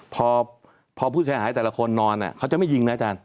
พอผู้จะหายแต่ละคนนอนนั่นเขาจะไม่ยิงเนี่ยไอ้จาร